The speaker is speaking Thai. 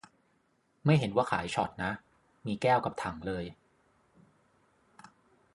ไม่เห็นว่าขายช็อตนะ มีแก้วกับถังเลย